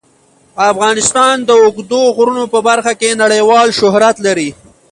افغانستان د اوږدو غرونو په برخه کې نړیوال شهرت لري.